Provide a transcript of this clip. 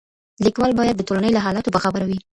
ليکوال بايد د ټولني له حالاتو باخبره وي.